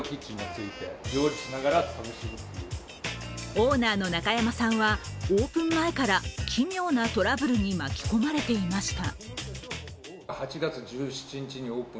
オーナーの中山さんは、オープン前から奇妙なトラブルに巻き込まれていました。